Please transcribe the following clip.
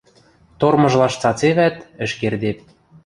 Тормыжлаш цацевӓт – ӹш кердеп.